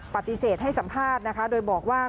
ปฏิเสธให้สัมภาษณ์นะคะโดยบอกว่า